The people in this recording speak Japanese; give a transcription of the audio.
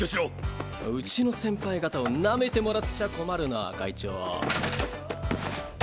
うちの先輩方をなめてもらっちゃ困るな会長。